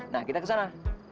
nah kita kesana